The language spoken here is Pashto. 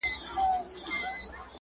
يو بل به اوولُو پۀ واورو دَ کالام هلکه